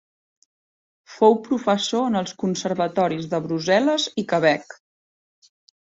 Fou professor en els Conservatoris de Brussel·les i Quebec.